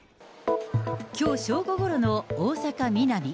きょう正午ころの大阪・ミナミ。